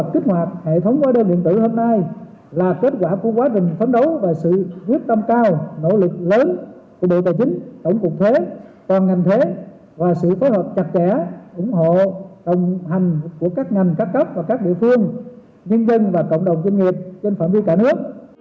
kích hoạt hệ thống hóa đơn điện tử hôm nay là kết quả của quá trình phấn đấu và sự quyết tâm cao nỗ lực lớn của bộ tài chính tổng cục thuế toàn ngành thuế và sự phối hợp chặt chẽ ủng hộ đồng hành của các ngành các cấp và các địa phương nhân dân và cộng đồng doanh nghiệp trên phạm vi cả nước